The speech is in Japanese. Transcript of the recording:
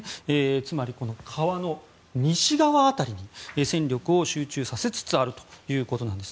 つまり、川の西側辺りに戦力を集中させつつあるということです。